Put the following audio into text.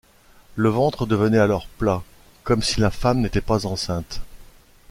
Le ventre devenait alors plat, comme si la femme n'était pas enceinte.